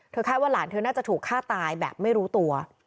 คาดว่าหลานเธอน่าจะถูกฆ่าตายแบบไม่รู้ตัว